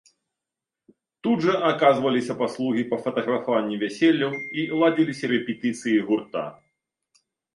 Тут жа аказваліся паслугі па фатаграфаванні вяселляў і ладзіліся рэпетыцыі гурта.